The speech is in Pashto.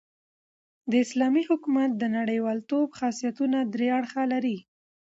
د اسلامي حکومت د نړۍوالتوب خاصیتونه درې اړخه لري.